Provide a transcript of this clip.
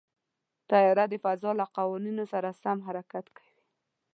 طیاره د فضا له قوانینو سره سم حرکت کوي.